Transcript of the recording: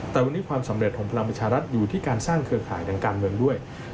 แต่วันนี้ความสำเร็จของพลังประชารัฐอยู่ที่การสร้างเครือข่ายทางการเมืองด้วย